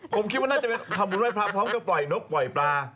ผมคิดว่าน่าจะไปทำบุญไห้พระพร้อมกับปล่อยนกปล่อยปลา